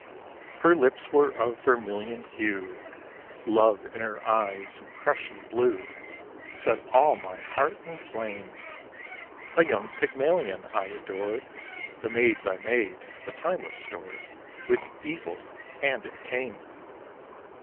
Her lips were of vermilion hue: Love in her eyes, and Prussian blue, Set all my heart in flame! A young Pygmalion, I adored The maids I made but time was stored With evil and it came!